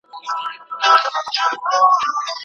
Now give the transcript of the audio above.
آیا خفګان تر خوښۍ ډېر درد لري؟